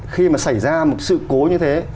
khi mà xảy ra một sự cố như thế